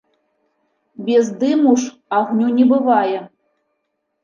Без дыму ж агню не бывае.